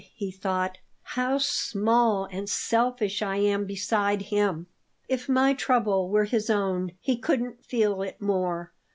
he thought; "how small and selfish I am beside him! If my trouble were his own he couldn't feel it more."